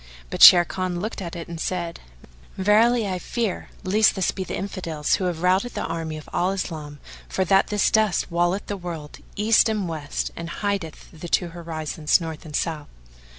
But Sharrkan looked at it and said, "Verily, I fear lest this be the Infidels who have routed the army of Al Islam for that this dust walleth the world, east and west, and hideth the two horizons, north and south."